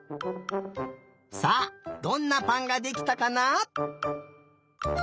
さあどんなぱんができたかな？